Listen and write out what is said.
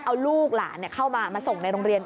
เอาลูกหลานเข้ามามาส่งในโรงเรียน